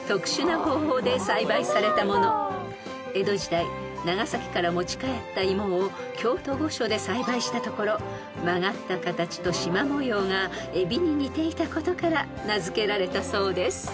［江戸時代長崎から持ち帰った芋を京都御所で栽培したところ曲がった形としま模様がエビに似ていたことから名付けられたそうです］